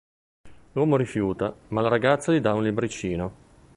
L'uomo rifiuta, ma la ragazza gli dà un libriccino.